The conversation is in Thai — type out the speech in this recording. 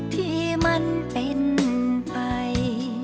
ที่มันเป็นไป